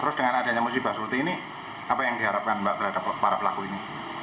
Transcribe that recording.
terus dengan adanya musibah seperti ini apa yang diharapkan mbak terhadap para pelaku ini